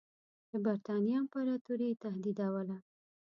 د برټانیې امپراطوري یې تهدیدوله.